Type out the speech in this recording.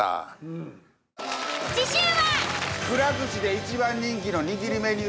次週は。